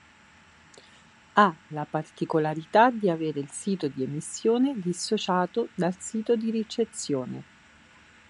Ha la particolarità di avere il sito di emissione dissociato dal sito di ricezione.